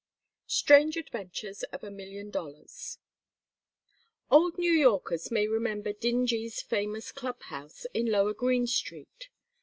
STRANGE ADVENTURES OF A MILLION DOLLARS. BY INGERSOLL LOCKWOOD. Old New Yorkers may remember Dingee's famous Club House in lower Greene Street.